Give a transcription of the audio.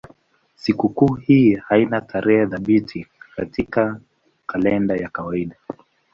Sikukuu hii haina tarehe thabiti katika kalenda ya kawaida.